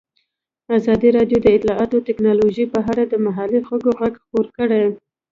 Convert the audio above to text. ازادي راډیو د اطلاعاتی تکنالوژي په اړه د محلي خلکو غږ خپور کړی.